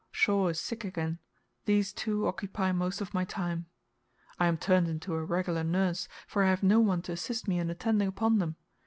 Shaw is sick again. These two occupy most of my time. I am turned into a regular nurse, for I have no one to assist me in attending upon them.